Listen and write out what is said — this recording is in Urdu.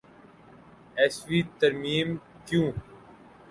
ائیسویں ترمیم کیوں؟